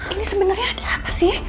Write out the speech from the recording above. ini sebenarnya ada apa sih